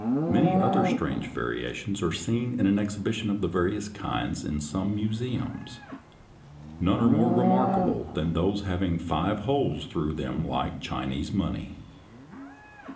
Many other strange variations are seen in an exhibition of the various kinds in some museums. None are more remarkable than those having five holes through them like Chinese money (Fig. 54).